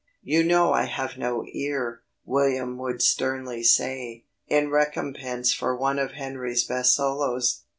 "You know I have no ear," William would sternly say, in recompense for one of Henry's best solos.